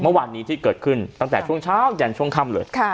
เมื่อวานนี้ที่เกิดขึ้นตั้งแต่ช่วงเช้ายันช่วงค่ำเลย